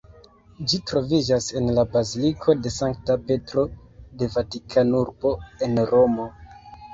Ĝi troviĝas en la Baziliko de Sankta Petro de Vatikanurbo en Romo.